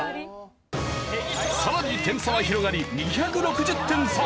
さらに点差は広がり２６０点差！